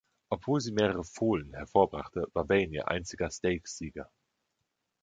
Obwohl sie mehrere Fohlen hervorbrachte, war Vain ihr einziger Stakes-Sieger.